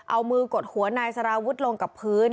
เอามือกดหัวนายสารวุฒิลงกับพื้น